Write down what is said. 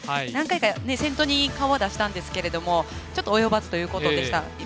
何回か先頭に顔は出したんですけどちょっと及ばずということでした。